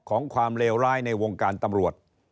ของความเลวร้ายในวงการตำรวจ